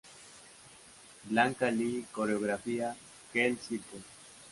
Blanca Li coreografía "Quel Cirque!